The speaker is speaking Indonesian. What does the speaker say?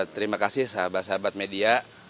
terima kasih sahabat sahabat media